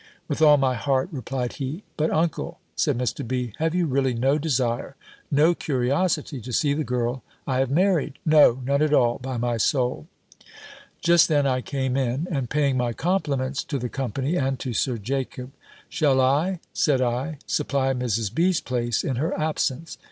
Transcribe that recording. "With all my heart," replied he. "But, uncle," said Mr. B., "have you really no desire, no curiosity to see the girl I have married?" "No, none at all, by my soul." Just then I came in, and paying my compliments to the company, and to Sir Jacob "Shall I," said I, "supply Mrs. B.'s place in her absence?"